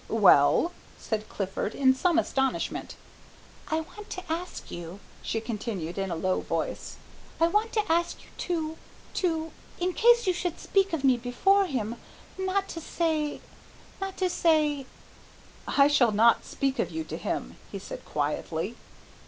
"Well?" said Clifford, in some astonishment. "I want to ask you," she continued in a low voice, "I want to ask you to to in case you should speak of me before him, not to say, not to say, " "I shall not speak of you to him," he said quietly.